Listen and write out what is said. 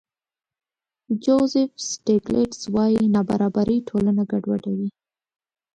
جوزف سټېګلېټز وايي نابرابري ټولنه ګډوډوي.